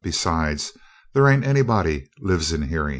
Besides, they ain't anybody lives in hearin'."